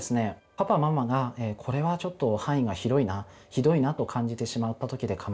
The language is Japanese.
パパママが「これはちょっと範囲が広いな」「ひどいな」と感じてしまったときでかまいません。